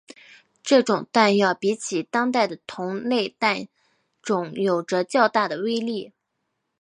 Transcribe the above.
这种弹药比起当代的同类弹种有着较大的威力。